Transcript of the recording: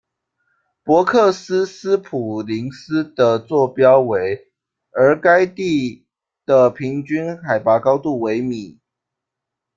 博克斯斯普林斯的座标为，而该地的平均海拔高度为米。